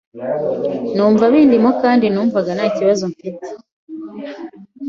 numva bindimo kandi numvaga nta kibazo mfite,